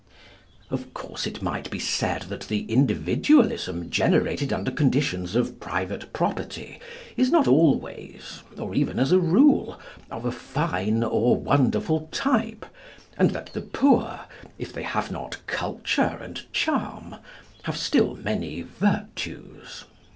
Of course, it might be said that the Individualism generated under conditions of private property is not always, or even as a rule, of a fine or wonderful type, and that the poor, if they have not culture and charm, have still many virtues.